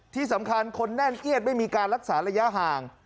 ที่สำคัญคนแน่นเอียดไม่มีการรักษาระยะห่าง